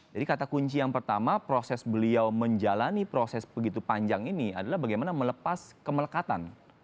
kata kunci yang pertama proses beliau menjalani proses begitu panjang ini adalah bagaimana melepas kemelekatan